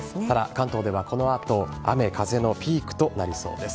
関東ではこの後は雨風のピークとなりそうです。